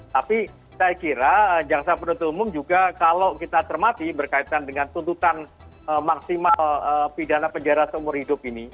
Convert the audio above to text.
tapi saya kira jaksa penutup umum juga kalau kita cermati berkaitan dengan tuntutan maksimal pidana penjara seumur hidup ini